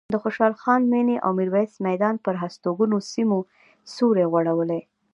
د خوشحال خان مېنې او میرویس میدان پر هستوګنو سیمو سیوری غوړولی.